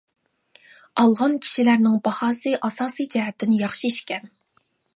ئالغان كىشىلەرنىڭ باھاسى ئاساسى جەھەتتىن ياخشى ئىكەن.